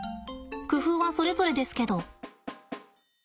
工夫はそれぞれですけど。